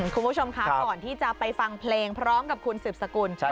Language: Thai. คุณผู้ชมคะก่อนที่จะไปฟังเพลงพร้อมกับคุณสืบสกุล